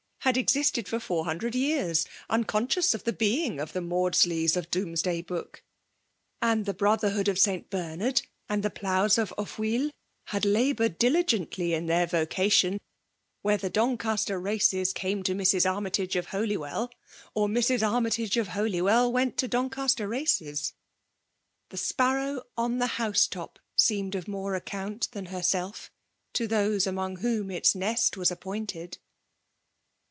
had existed for four hundred years^ uncon vcious of the being of the Maudsleys of I>omes day Book,' — and the brotherhood of St. Ber nard, and the ploughs of Hofwryl, had laboured diligently in their vocation, whether Don caster races came to Mrs. Armytage of Holy well,— or Mrs. Armytage of Holywell went to Doncaster races ! The sparrow on the house top seemed of more account than herself, to those among whom its nest was appointed.